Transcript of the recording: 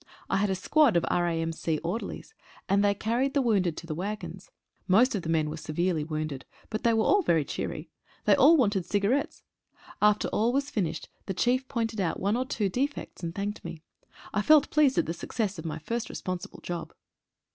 I had a squad of R.A.M.C. orderlies and they carried the wounded to the waggons. Most of the men were severely wounded— but they were all very cheery. They all wanted cigar ettes. After all was finished the chief pointed out one or two defects, and thanked me. I felt pleased at the success of my first responsible job.